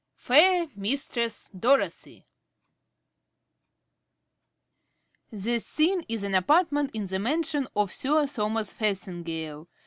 "FAIR MISTRESS DOROTHY" _The scene is an apartment in the mansion of Sir Thomas Farthingale.